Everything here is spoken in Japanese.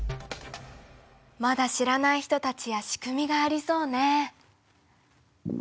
まだ知らない人たちや仕組みがありそうね。